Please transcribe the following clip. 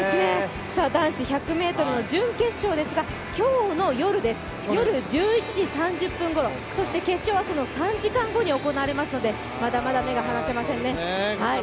男子１００ｍの準決勝ですが、今日の夜１１時３０分ごろ、そして決勝はその３時間後に行われますので、まだまだ目が離せませんね。